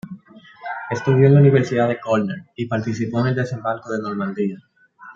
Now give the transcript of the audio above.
Estudió en la Universidad de Cornell y participó en el desembarco de Normandía.